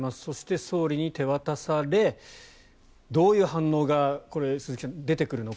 そして総理に手渡されどういう反応が鈴木さん、出てくるのか。